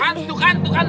kan kan kan tuh kan